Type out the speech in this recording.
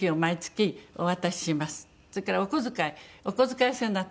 それからお小遣いお小遣い制になったんです。